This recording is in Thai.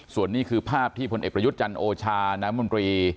ส่วนนี้คือภาพที่พลเอกประยุทธ์จันทร์โอชาน้ำมนตรี